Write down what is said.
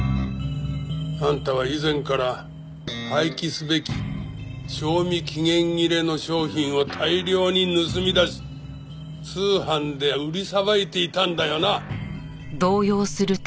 あんたは以前から廃棄すべき賞味期限切れの商品を大量に盗み出し通販で売りさばいていたんだよな？